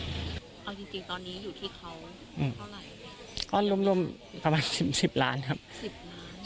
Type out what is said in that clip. เอาจริงจริงตอนนี้อยู่ที่เขาเท่าไหร่ก็ร่วมร่วมประมาณสิบสิบล้านครับสิบล้าน